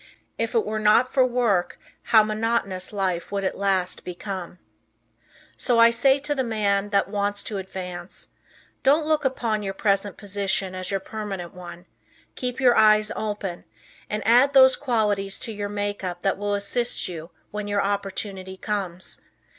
If it were not for work how monotonous life would at last become! So I say to the man that wants to advance, "Don't look upon your present position as your permanent one. Keep your eyes open, and add those qualities to your makeup that will assist you when your opportunity comes.